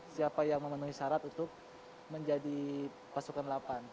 siapa yang memenuhi syarat untuk menjadi pasukan delapan